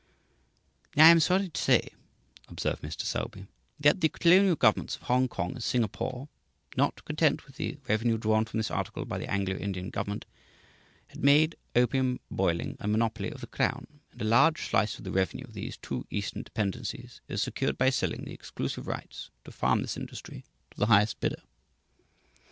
"I am sorry to say," observes Mr. Selby, "that the colonial governments of Hongkong and Singapore, not content with the revenue drawn from this article by the Anglo Indian government, have made opium boiling a monopoly of the Crown, and a large slice of the revenue of these two Eastern dependencies is secured by selling the exclusive rights to farm this industry to the highest bidder."